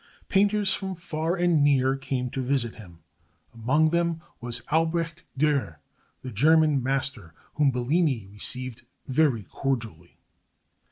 Painters from far and near came to visit him. Among them was Albrecht Dürer, the German master, whom Bellini received very cordially.